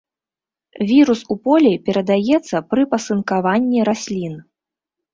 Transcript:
Вірус у полі перадаецца пры пасынкаванні раслін.